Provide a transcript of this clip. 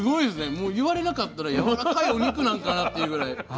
もう言われなかったらやわらかいお肉なのかなっていうぐらい。